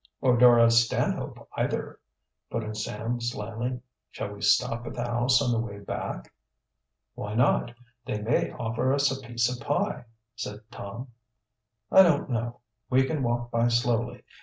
"Or Dora Stanhope either," put in Sam slyly. "Shall we stop at the house on the way back?" "Why not? They may offer us a piece of pie," said Tom. "I don't know. We can walk by slowly.